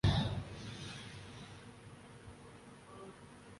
اس میں کوئ شک نہیں کہ چھوٹو گینگ جیسے بدنام زمانہ گروپس کو سرکاری سرپرستی حاصل ہے